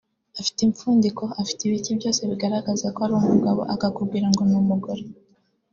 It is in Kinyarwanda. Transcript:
afite impfundiko afite ibiki byose bigaragaza ko ari umugabo akakubwira ngo ni umugore